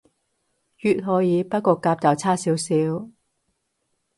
乙可以，不過甲就差少少